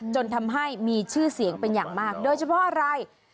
จนทำให้มีชื่อเสียงเป็นอย่างมากโดยเฉพาะอะไร